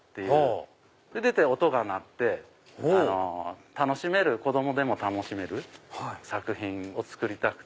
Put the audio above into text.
全て音が鳴って子供でも楽しめる作品を作りたくて。